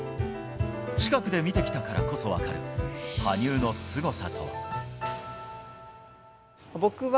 近くで見てきたからこそ分かる、羽生のすごさとは。